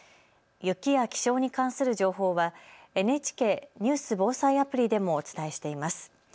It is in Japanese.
雪や気象に関する情報は、ＮＨＫニュース・防災アプリでもお伝えしています。